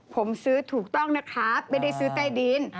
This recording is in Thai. ผมซื้อถูกต้องนะครับไม่ได้ซื้อใต้ดิน